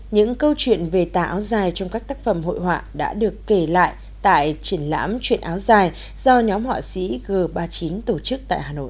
những câu chuyện về tà áo dài trong các tác phẩm hội họa đã được kể lại tại triển lãm chuyện áo dài do nhóm họa sĩ g ba mươi chín tổ chức tại hà nội